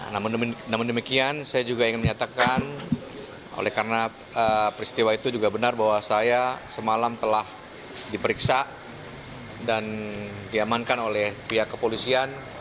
namun demikian saya juga ingin menyatakan oleh karena peristiwa itu juga benar bahwa saya semalam telah diperiksa dan diamankan oleh pihak kepolisian